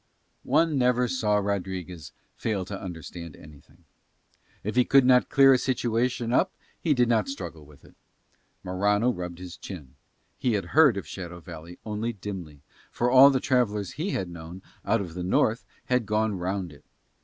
One never saw Rodriguez fail to understand anything: if he could not clear a situation up he did not struggle with it. Morano rubbed his chin: he had heard of Shadow Valley only dimly, for all the travellers he had known out of the north had gone round it.